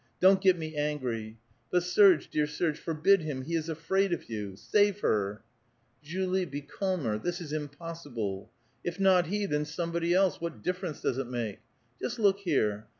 Don't get me I angry. But Serge, dear Serge, forbid him ; he is afraid of ; you. Save her !"" Julie, be calmer. This is impossible. If not he, then somebody else ; what dilference does it make? Just look here.